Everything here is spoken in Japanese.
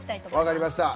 分かりました。